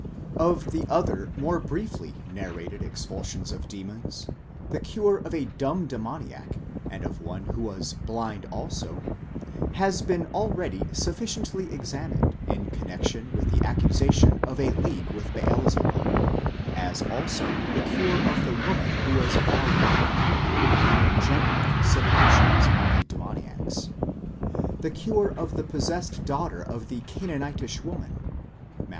Of the other more briefly narrated expulsions of demons, the cure of a '7 Paulus, exeg. Handb, 2, 5. 471 f. MIRACLES OF JES US—DEMONIACS, 435 dumb demoniac and of one who was blind also, has been already sufficiently examined in connexion with the accusation of a league with Beelzebub: as also the cure of the woman who was bowed down, in our general consider ations on the demoniacs. The cure of the possessed daughter of the Canaanitish woman (Matt.